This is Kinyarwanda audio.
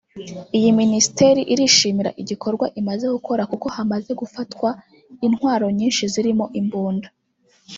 Iyi Minisiteri irishimira igikorwa imaze gukora kuko hamaze gufatwa intwaro nyinshi zirimo imbunda